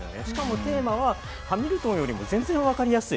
テーマは『ハミルトン』よりも全然わかりやすい。